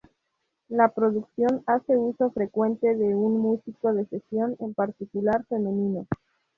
La producción hace uso frecuente de un músico de sesión, en particular femenino.